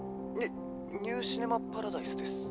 「ニ『ニュー・シネマ・パラダイス』です」。